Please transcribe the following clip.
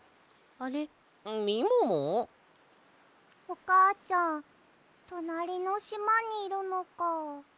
おかあちゃんとなりのしまにいるのか。